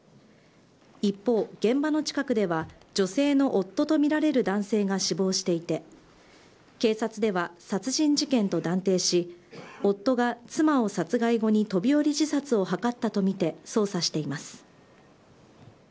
一方、現場の近くでは、女性の夫と見られる男性が死亡していて、警察では殺人事件と断定し、夫が妻を殺害後に飛び降り自殺を図ったと見て捜査しています。